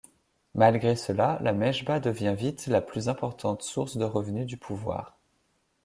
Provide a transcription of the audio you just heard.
Malgré cela, la mejba devient vite la plus importante source de revenus du pouvoir.